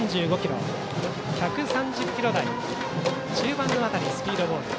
１３０キロ台中盤のスピードボール。